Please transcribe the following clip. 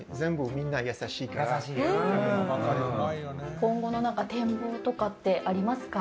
今後の展望とかってありますか？